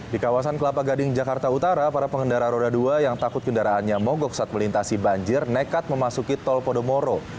di kawasan kelapa gading jakarta utara para pengendara roda dua yang takut kendaraannya mogok saat melintasi banjir nekat memasuki tol podomoro